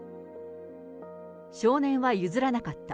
少年は譲らなかった。